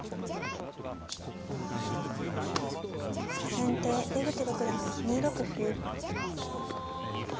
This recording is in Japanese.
先手出口六段２六歩。